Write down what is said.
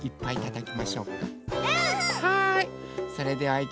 はい。